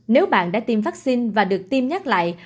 nếu bạn đã tiêm vaccine và được tiêm nhắc lại